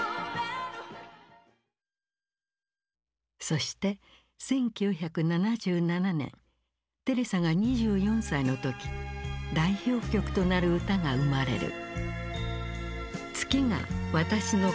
そして１９７７年テレサが２４歳の時代表曲となる歌が生まれる。